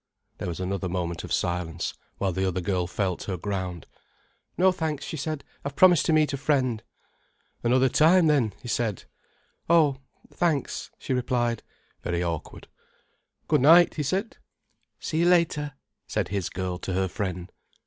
There was another moment of silence, while the other girl felt her ground. "No, thanks," she said. "I've promised to meet a friend." "Another time, then?" he said. "Oh, thanks," she replied, very awkward. "Good night," he said. "See you later," said his girl to her friend.